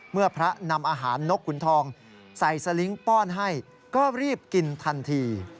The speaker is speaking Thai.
เมื่อพระนำอาหารนกขุนทองใส่สลิงค์ป้อนให้ก็รีบกินทันที